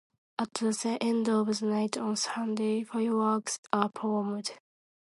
At the end of the night on Sunday, fireworks are performed.